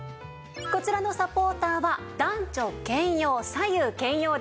こちらのサポーターは男女兼用左右兼用です。